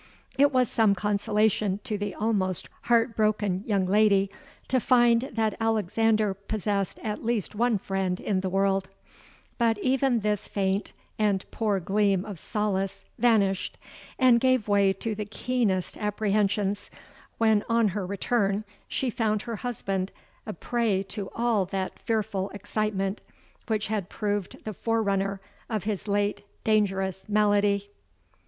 It was some consolation to the almost heart broken young lady, to find that Alexander possessed at least one friend in the world; but even this faint and poor gleam of solace vanished, and gave way to the keenest apprehensions, when on her return she found her husband a prey to all that fearful excitement which had proved the forerunner of his late dangerous malady.